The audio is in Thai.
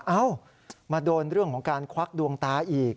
เอ้ามาโดนเรื่องของการควักดวงตาอีก